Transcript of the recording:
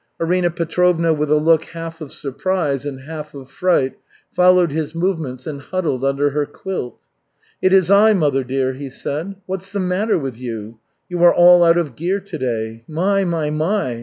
Arina Petrovna with a look half of surprise and half of fright followed his movements and huddled under her quilt. "It is I, mother dear," he said. "What's the matter with you? You are all out of gear today. My, my, my!